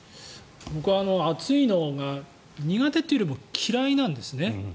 僕は暑いのが苦手というよりも嫌いなんですね。